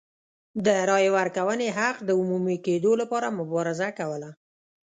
د رایې ورکونې حق د عمومي کېدو لپاره مبارزه کوله.